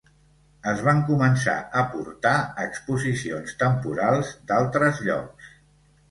Es van començar a portar exposicions temporals d'altres llocs.